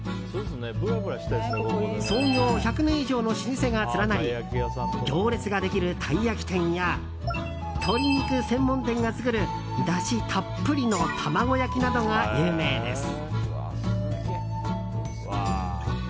創業１００年以上の老舗が連なり行列ができる、たい焼き店や鶏肉専門店が作るだしたっぷりの卵焼きなどが有名です。